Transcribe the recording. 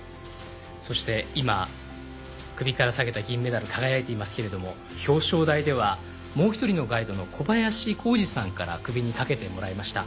そして今首から下げた銀メダル輝いていますけれども表彰台では、もう１人のガイドの小林光二さんから首にかけてもらいました。